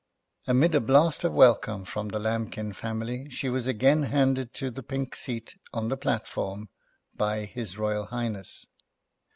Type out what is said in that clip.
Amid a blast of welcome from the Lambkin family, she was again handed to the pink seat on the platform by His Royal Highness.